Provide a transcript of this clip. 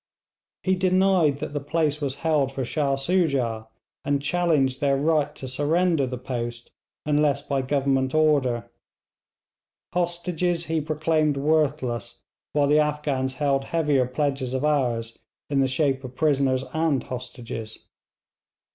He denied that the place was held for Shah Soojah, and challenged their right to surrender the post unless by Government order. Hostages he proclaimed worthless while the Afghans held heavier pledges of ours in the shape of prisoners and hostages.